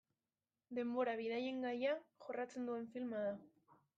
Denbora bidaien gaia jorratzen duen filma da.